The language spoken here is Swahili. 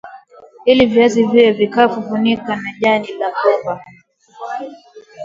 Ili viazi viwe vikavu funika na jani la mgomba